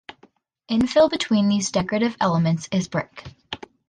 Infill between these decorative elements is brick.